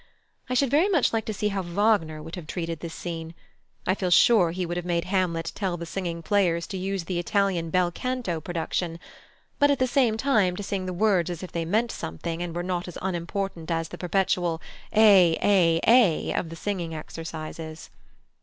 I should very much like to see how Wagner would have treated this scene. I feel sure he would have made Hamlet tell the singing players to use the Italian bel canto production, but, at the same time, to sing the words as if they meant something and were not as unimportant as the perpetual A A A of the singing exercises.